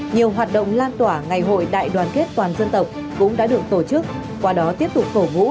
nhiều hoạt động lan tỏa ngày hội đại đoàn kết toàn dân tộc cũng đã được tổ chức qua đó tiếp tục cổ vũ